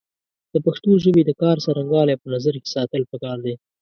د پښتو ژبې د کار څرنګوالی په نظر کې ساتل پکار دی